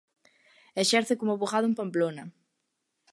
Exerce como avogado en Pamplona.